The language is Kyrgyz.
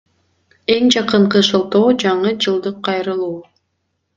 Эң жакынкы шылтоо — жаңы жылдык кайрылуу.